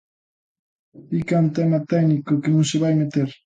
Di que é un tema técnico, que non se vai meter.